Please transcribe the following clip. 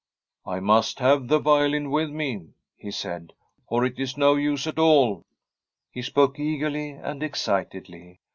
* I must have the violin with me/ he said, ' oi it is no use at all.' He spoke eagerly and ex citedly.